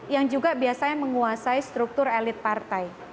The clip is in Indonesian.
yang juga biasanya menguasai struktur elit partai